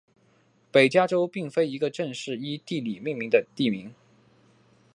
北加州并非一个正式依地理命名的地名。